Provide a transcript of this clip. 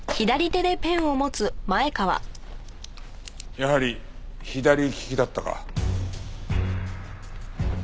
やはり左利きだったか。